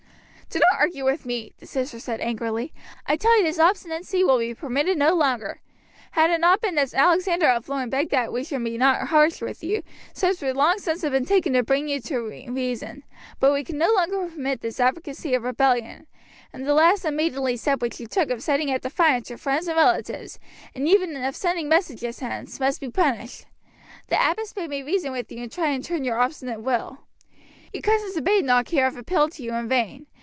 "Do not argue with me," the sister said angrily. "I tell you this obstinacy will be permitted no longer. Had it not been that Alexander of Lorne begged that we would not be harsh with you, steps would long since have been taken to bring you to reason; but we can no longer permit this advocacy of rebellion, and the last unmaidenly step which you took of setting at defiance your friends and relatives, and even of sending messages hence, must be punished. The abbess bade me reason with you and try and turn your obstinate will. Your cousins of Badenoch here have appealed to you in vain.